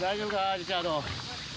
リチャード。